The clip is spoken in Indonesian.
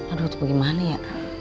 aduh tuh pergi mali ya